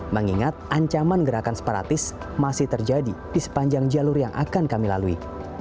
mengingat ancaman gerakan separatis masih terjadi di sepanjang jalur yang akan kami lalui